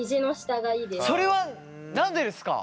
それは何でですか！